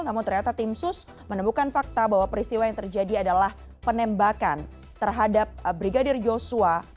namun ternyata tim sus menemukan fakta bahwa peristiwa yang terjadi adalah penembakan terhadap brigadir yosua